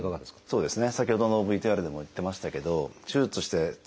そうですね。